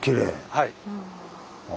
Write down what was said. はい。